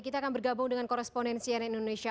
kita akan bergabung dengan koresponensi nenek indonesia